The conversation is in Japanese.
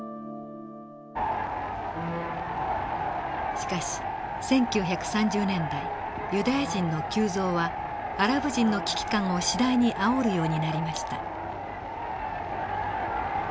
しかし１９３０年代ユダヤ人の急増はアラブ人の危機感を次第にあおるようになりました。